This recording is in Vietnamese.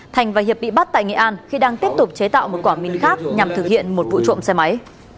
thành và hiệp bị bắt tại nghệ an khi đang tiếp tục chế tạo một quả mìn khác nhằm thực hiện một vụ trộm xe máy